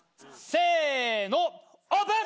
せのオープン！